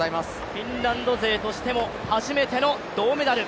フィンランド勢としても初めての銅メダル。